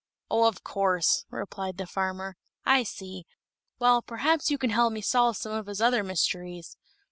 "Oh, of course," replied the farmer. "I see. Well, perhaps you can help me to solve some of his other mysteries.